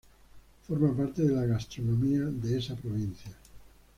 Forma parte de la gastronomía de esa provincia.